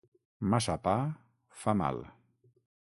Massa pa fa mal.